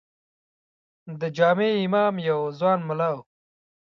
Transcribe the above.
د جامع امام یو ځوان ملا و.